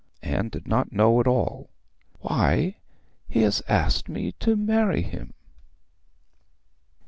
Anne did not know at all. 'Why, he has asked me to marry him.'